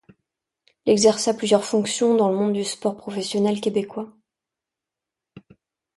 Il exerça plusieurs fonctions dans le monde du sport professionnel québécois.